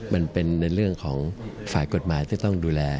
มันเป็นในเรื่องของฝ่ายกฎหมายที่ต้องดูแล